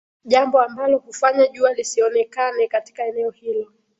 Jambo ambalo hufanya jua lisionekane katika eneo hilo